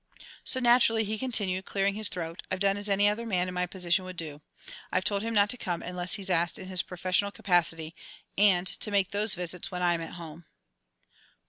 "So, naturally," he continued, clearing his throat, "I've done as any other man in my position would do. I've told him not to come unless he's asked in his professional capacity, and to make those visits when I'm at home."